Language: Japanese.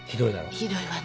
ひどいわね。